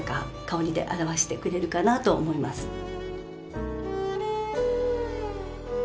香りで表してくれるかなと思います。